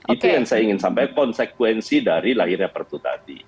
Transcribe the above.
itu yang saya ingin sampaikan konsekuensi dari lahirnya perpu tadi